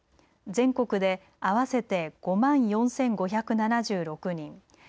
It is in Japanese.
全国で合わせて５万４５７６人。